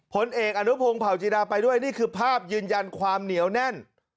ผลเอกอนุพงศ์เผาจิดาไปด้วยนี่คือภาพยืนยันความเหนียวแน่น